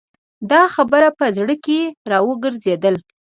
دا خبره په زړه کې را وګرځېدله.